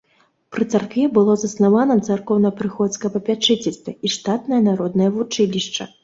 Пры царкве было заснавана царкоўна-прыходскае папячыцельства і штатнае народнае вучылішча.